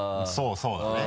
そうだね。